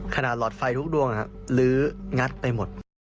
หลอดไฟทุกดวงลื้องัดไปหมด